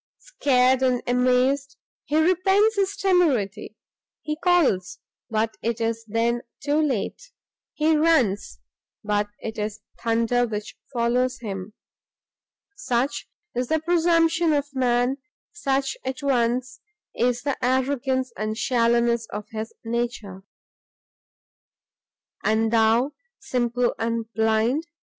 Scared and amazed, he repents his temerity; he calls, but it is then too late; he runs, but it is thunder which follows him! Such is the presumption of man, such at once is the arrogance and shallowness of his nature! And thou, simple and blind!